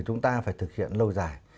chúng ta phải thực hiện lâu dài